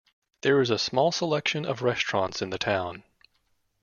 There is a small selection of restaurants in the town.